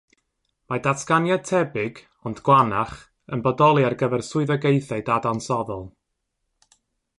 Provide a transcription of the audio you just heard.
Mae datganiad tebyg ond gwannach yn bodoli ar gyfer swyddogaethau dadansoddol.